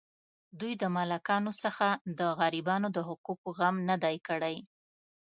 دوی د ملاکانو څخه د غریبانو د حقوقو غم نه دی کړی.